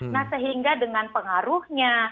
nah sehingga dengan pengaruhnya